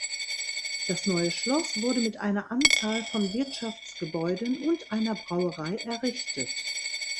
Das neue Schloss wurde mit einer Anzahl von Wirtschaftsgebäuden und einer Brauerei errichtet.